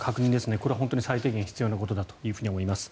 これは最低限必要なことだと思います。